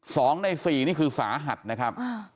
สองในสี่นี่คือสาหัสนะครับ